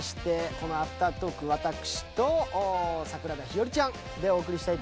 このアフタートーク私と桜田ひよりちゃんでお送りしたいと思います。